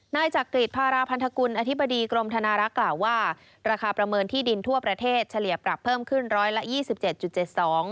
นายจักริจภาราพันธกุลอธิบดีกรมธนารักษ์กล่าวว่าราคาประเมินที่ดินทั่วประเทศเฉลี่ยปรับเพิ่มขึ้น๑๒๗๗๒บาท